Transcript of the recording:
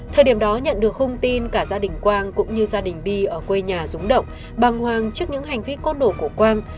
thời điểm đó nhận được hông tin cả gia đình quang cũng như gia đình bi ở quê nhà rúng động băng hoang trước những hành vi cốt đổ của quang